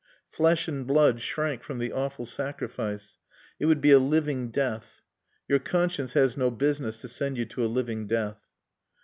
Flesh and blood shrank from the awful sacrifice. It would be a living death. Your conscience has no business to send you to a living death.